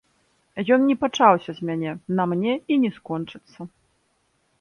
Ён не пачаўся з мяне, на мне і не скончыцца.